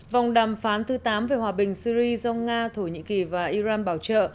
vòng đàm phán thứ tám về hòa bình syri do nga thổ nhĩ kỳ và iran bảo trợ